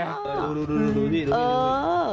ดูดูนี่